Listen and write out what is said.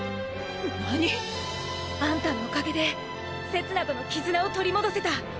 何！？あんたのおかげでせつなとの絆を取り戻せた。